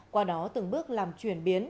qua đó từng bước làm chuyển biến